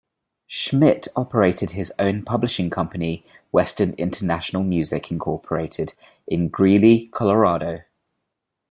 Schmidt operated his own publishing company, Western International Music Incorporated in Greeley, Colorado.